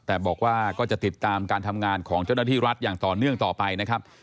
แต่บอกว่าก็จะติดตามการทำงานของเจ้าหน้าที่รัฐอย่างต่อเนื่องต่อไปนะครับ